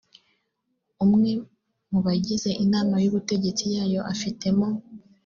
umwe mu bagize inama y ubutegetsi yayo afitemo